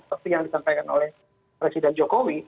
seperti yang disampaikan oleh presiden jokowi